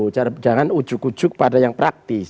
jangan ujuk ujuk pada yang praktis